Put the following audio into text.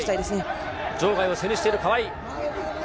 場外を背にしている川井。